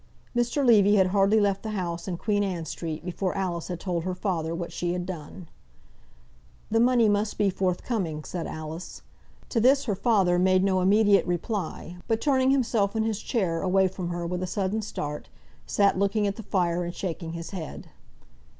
Mr. Levy had hardly left the house in Queen Anne Street, before Alice had told her father what she had done. "The money must be forthcoming," said Alice. To this her father made no immediate reply, but turning himself in his chair away from her with a sudden start, sat looking at the fire and shaking his head.